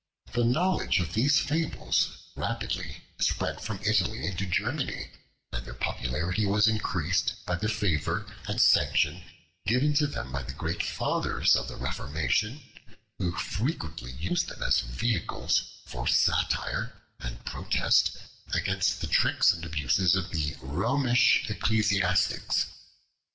The knowledge of these fables rapidly spread from Italy into Germany, and their popularity was increased by the favor and sanction given to them by the great fathers of the Reformation, who frequently used them as vehicles for satire and protest against the tricks and abuses of the Romish ecclesiastics.